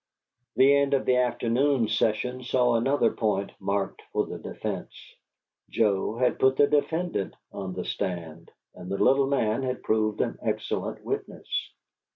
The end of that afternoon's session saw another point marked for the defence; Joe had put the defendant on the stand, and the little man had proved an excellent witness.